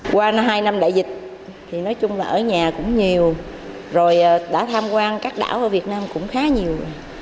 qua hai năm đại dịch thì nói chung là ở nhà cũng nhiều rồi đã tham quan các đảo ở việt nam cũng khá nhiều